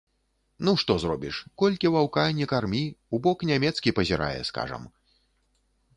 Ну што зробіш, колькі ваўка не кармі, у бок нямецкі пазірае, скажам.